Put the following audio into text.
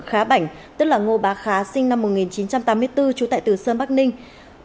khá bảnh tức là ngô bá khá sinh năm một nghìn chín trăm tám mươi bốn trú tại từ sơn bắc ninh